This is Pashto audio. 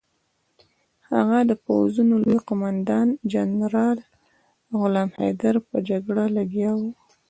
د هغه د پوځونو لوی قوماندان جنرال غلام حیدر په جګړه لګیا وو.